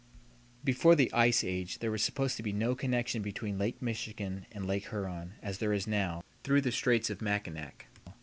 Before the ice age there was supposed to be no connection between Lake Michigan and Lake Huron, as there is now, through the Straits of Mackinac.